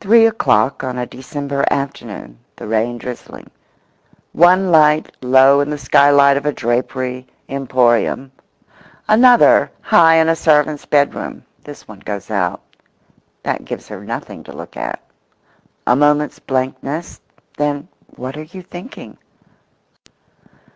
Three o'clock on a December afternoon; the rain drizzling; one light low in the skylight of a drapery emporium; another high in a servant's bedroom—this one goes out. That gives her nothing to look at. A moment's blankness—then, what are you thinking?